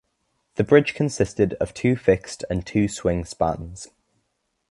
The bridge consisted of two fixed and two swing spans.